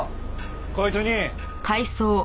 こいつに。